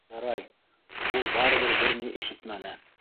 Ярай, ул барыбер бер ни ишетмәне.